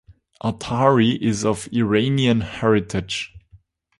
Athari is of Iranian heritage.